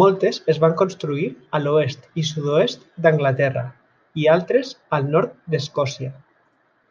Moltes es van construir a l'oest i sud-oest d'Anglaterra i altres al nord d'Escòcia.